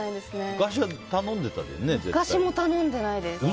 昔も頼んでないです。